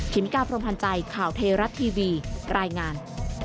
มิกาพรมพันธ์ใจข่าวเทราะทีวีรายงาน